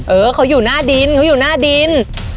เออเขาอยู่หน้าดินเขาอยู่หน้าดิน